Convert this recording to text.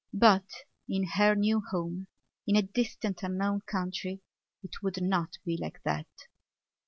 But in her new home, in a distant unknown country, it would not be like that.